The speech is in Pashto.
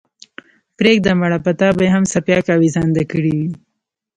پرېږده مړه په تا به ئې هم څپياكه اوېزانده كړې وي۔